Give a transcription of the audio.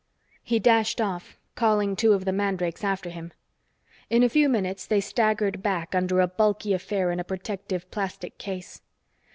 He dashed off, calling two of the mandrakes after him. In a few minutes, they staggered back under a bulky affair in a protective plastic case.